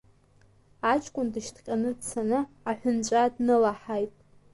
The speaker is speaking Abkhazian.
Аҷкәын дышьҭҟьаны дцаны аҳәынҵәа днылаҳаит…